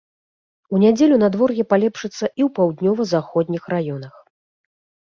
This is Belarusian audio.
У нядзелю надвор'е палепшыцца і ў паўднёва-заходніх раёнах.